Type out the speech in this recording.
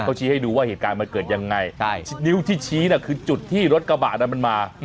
เขาชี้ให้ดูว่าเหตุการณ์มันเกิดยังไงนิ้วที่ชี้น่ะคือจุดที่รถกระบะนั้นมันมา